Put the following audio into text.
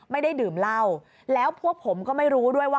ไม่ได้ดื่มเหล้าแล้วพวกผมก็ไม่รู้ด้วยว่า